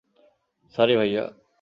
Sorry, ভাইয়া।